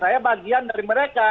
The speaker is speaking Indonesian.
saya bagian dari mereka